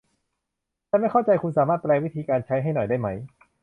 ฉันไม่เข้าใจ คุณสามารถแปลวิธีการใช้ให้หน่อยได้ไหม